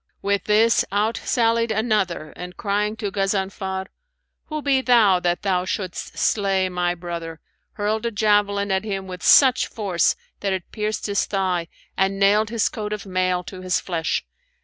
With this out sallied another and crying to Ghazanfar, 'Who be thou that thou shouldst slay my brother?'; hurled a javelin at him with such force that it pierced his thigh and nailed his coat of mail to his flesh.